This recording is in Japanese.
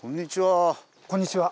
こんにちは。